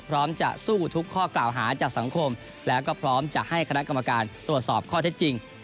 พร้อมจะสู้ทุกข้อกล่าวหาจากสังคมแล้วก็พร้อมจะให้คณะกรรมการตรวจสอบข้อเท็จจริง